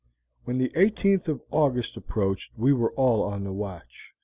"When the 18th of August approached we were all on the watch.